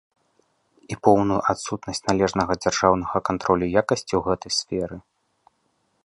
І поўную адсутнасць належнага дзяржаўнага кантролю якасці ў гэтай сферы.